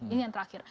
ini yang terakhir